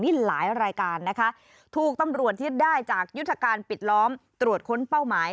นี่หลายรายการนะคะถูกตำรวจที่ได้จากยุทธการปิดล้อมตรวจค้นเป้าหมาย